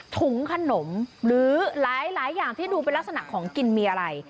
ถุงขนมหรือหลายอย่างที่ดูเป็นลักษณะของกินมีอะไร